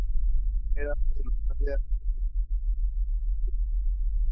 South Fork Cane Creek drains the northeastern part of the township.